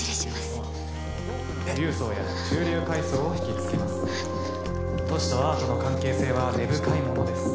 えっ多くの富裕層や中流階層をひきつけます都市とアートの関係性は根深いものです